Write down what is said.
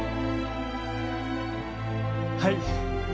はい。